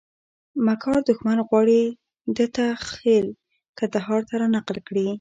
مکار دښمن غواړي دته خېل کندهار ته رانقل کړي.